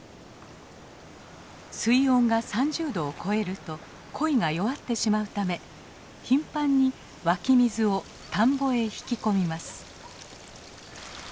水温が３０度を超えるとコイが弱ってしまうため頻繁に湧き水を田んぼへ引き込みます。